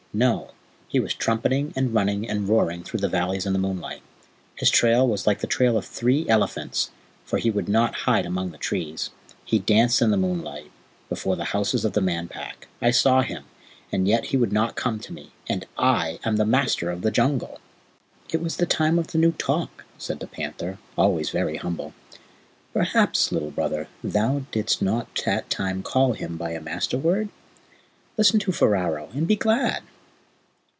No, he was trumpeting and running and roaring through the valleys in the moonlight. His trail was like the trail of three elephants, for he would not hide among the trees. He danced in the moonlight before the houses of the Man Pack. I saw him, and yet he would not come to me; and I am the Master of the Jungle!" "It was the Time of New Talk," said the panther, always very humble. "Perhaps, Little Brother, thou didst not that time call him by a Master word? Listen to Ferao, and be glad!"